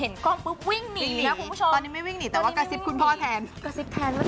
เออไปเที่ยวไหนดีปีใหม่